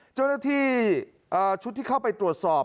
เจ้าหน้าที่ชุดที่เข้าไปตรวจสอบ